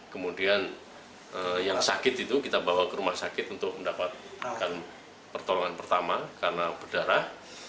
kemudian yang sakit itu kita bawa ke rumah sakit untuk mendapatkan pertolongan pertama karena berdarah